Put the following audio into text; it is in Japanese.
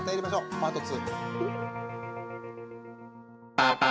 パート２。